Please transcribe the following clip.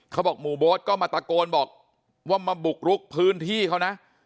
เขาบอกหมู่โบ๊ทก็มาตะโกนบอกว่ามาบุกรุกพื้นที่เขานะ